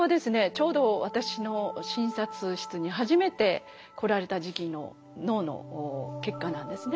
ちょうど私の診察室に初めて来られた時期の脳の結果なんですね。